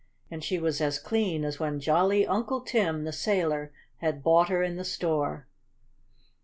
And she was as clean as when jolly Uncle Tim, the sailor, had bought her in the store.